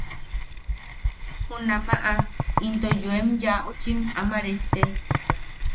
Junamaʼa into yoem yaaʼuchim ama rejten.